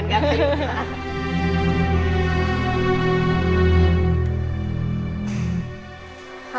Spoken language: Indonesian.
ini seperti majapahat kan